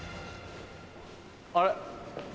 あれ？